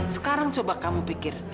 sekarang coba kamu pikir